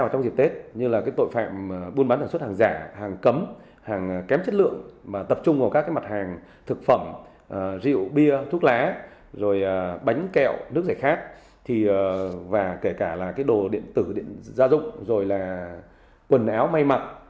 rồi bánh kẹo nước giải khát và kể cả là cái đồ điện tử điện gia dụng rồi là quần áo may mặt